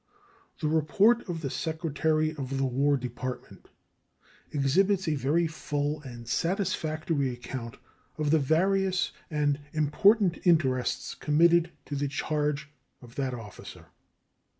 The report of the Secretary of the War Department exhibits a very full and satisfactory account of the various and important interests committed to the charge of that officer.